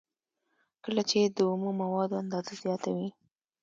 کله چې د اومو موادو اندازه زیاته وي